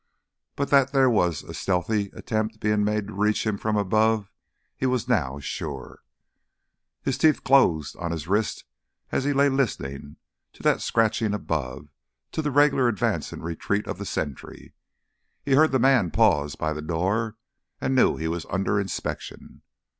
But that there was a stealthy attempt being made to reach him from above he was now sure. His teeth closed on his wrist as he lay listening, to that scratching above, to the regular advance and retreat of the sentry. He heard the man pause by the door and knew he was under inspection.